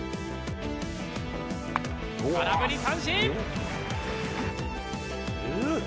空振り三振。